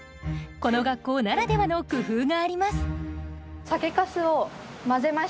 この学校ならではの工夫があります。